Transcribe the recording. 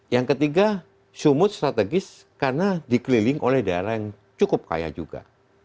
yang ketiga sumut strategis karena dikeliling oleh daerah yang cukup kaya juga